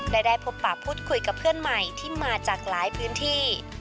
และได้พบป่าพูดคุยกับเพื่อนใหม่ที่มาจากหลายพื้นที่